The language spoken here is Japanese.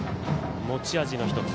持ち味の１つ。